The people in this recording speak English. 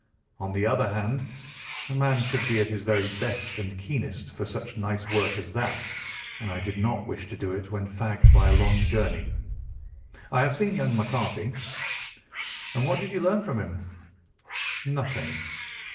On the other hand, a man should be at his very best and keenest for such nice work as that, and I did not wish to do it when fagged by a long journey. I have seen young McCarthy." "And what did you learn from him?" "Nothing."